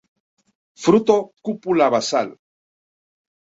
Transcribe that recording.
Fruto cúpula basal.